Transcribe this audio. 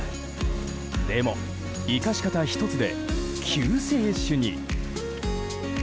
でも、生かし方１つで救世主に。